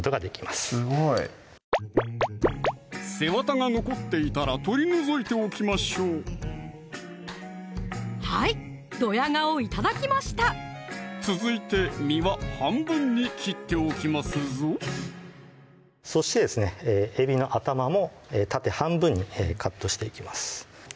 すごい背わたが残っていたら取り除いておきましょうはいどや顔頂きました続いて身は半分に切っておきますぞそしてですねえびの頭も縦半分にカットしていきます